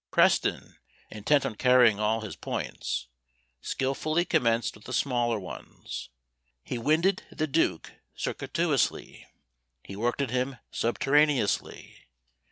Preston, intent on carrying all his points, skilfully commenced with the smaller ones. He winded the duke circuitously, he worked at him subterraneously.